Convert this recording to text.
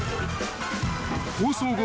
［放送後